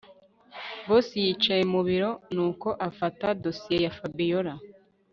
Boss yicaye mubiro nuko afata dosiye ya Fabiora